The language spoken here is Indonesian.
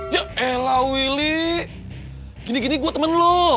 ya ella willy gini gini gue temen lo